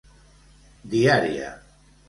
Diària.